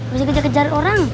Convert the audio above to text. bisa kejar kejar orang